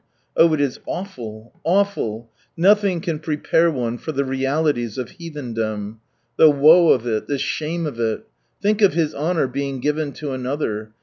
Oh, it is awful I awful I Nothing can prepare one for the realities of Heathendom. The woe of it, the shame of it. Think of His honour being given to another.